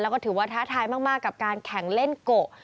แล้วก็ถือว่าท้าทายมากกับการแข่งเล่นโกะ